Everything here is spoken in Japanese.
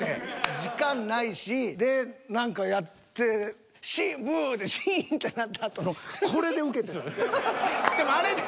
時間ないしで何かやって「ブゥ！」でシーンってなったあとのこれでウケてたのよ。